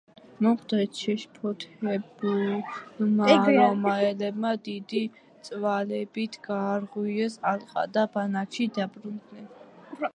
მომხდარით შეშფოთებულმა რომაელებმა დიდი წვალებით გაარღვიეს ალყა და ბანაკში დაბრუნდნენ.